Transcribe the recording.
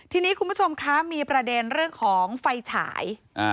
ทีนี้คุณผู้ชมคะมีประเด็นเรื่องของไฟฉาย